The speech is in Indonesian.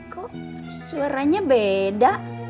kok suaranya beda